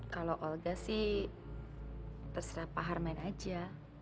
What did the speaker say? kalau olga sih terserah pak harmaid aja